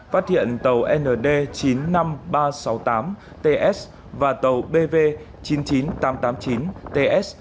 phó chủ tịch ủy ban nhân dân tỉnh an giang phát hiện tàu nd chín mươi năm nghìn ba trăm sáu mươi tám ts và tàu bv chín mươi chín nghìn tám trăm tám mươi chín ts